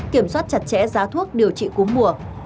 kiểm soát chặt chẽ giá thuốc điều trị cú mùa